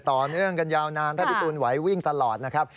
ต่อเนื่องกันยาวนานถ้าพี่ตูนไหววิ่งตลอดนะครับ